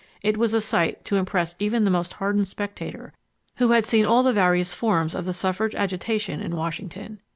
It was a sight to impress even the most hardened spectator who had seen all the various forms of the suffrage agitation in Washington.